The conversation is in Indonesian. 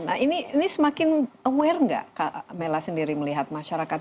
nah ini semakin aware nggak mela sendiri melihat masyarakat